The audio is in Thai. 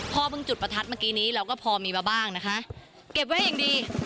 เพิ่งจุดประทัดเมื่อกี้นี้เราก็พอมีมาบ้างนะคะเก็บไว้อย่างดี